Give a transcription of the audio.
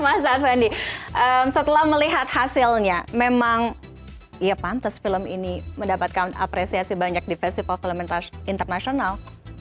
mas arsendi setelah melihat hasilnya memang ya pantes film ini mendapatkan apresiasi banyak di festival film internasional